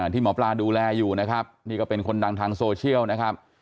ที่หมอปลาดูแลอยู่นะครับนี่ก็เป็นคนดังทางโซเชียลนะครับ